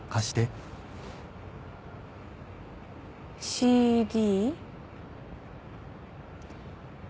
ＣＤ？